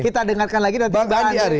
kita dengarkan lagi nanti